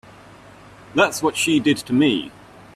That's what she did to me.